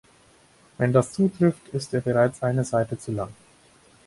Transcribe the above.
Wenn das zutrifft, ist er bereits eine Seite zu lang.